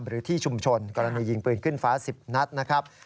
หรือที่ชุมชนกรณียิงปืนขึ้นฟ้า๑๐นัดนะครับ